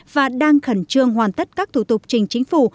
và đang khẩn trương hoàn tất các thủ tục trình chính phủ